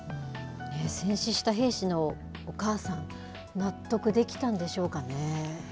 戦死した兵士のお母さん、納得できたんでしょうかね。